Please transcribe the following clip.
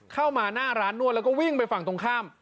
เข้ามาหน้าร้านนวดแล้วก็วิ่งไปฝั่งตรงข้าม